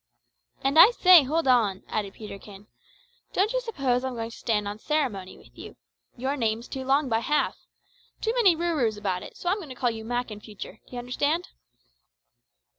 "And, I say, hold on," added Peterkin. "Don't you suppose I'm going to stand on ceremony with you. Your name's too long by half. Too many rooroos about it, so I'm going to call you Mak in future, d'ye understand?"